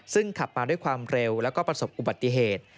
ซึ่งขับมาด้วยความเร็วแล้วก็ประสบอุบัติเหตุ